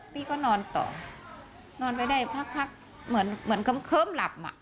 พี่ก็นอนต่อนอนไปได้พักพักเหมือนเหมือนเขิมเขิมหลับมา